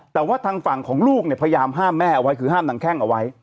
แต่ว่าทางฝั่งของลูกเนี่ยพยายามห้ามแม่เอาไว้คือห้ามนางแข้งเอาไว้